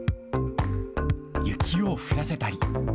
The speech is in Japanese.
雪を降らせたり。